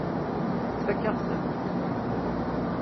Tfakk-aɣ-tent.